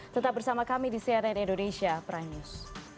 tetap bersama kami di cnn indonesia prime news